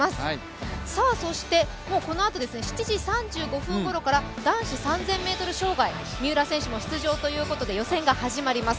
そして、このあと７時３５分ごろから男子３０００ｍ障害三浦選手も出場ということで予選が始まります。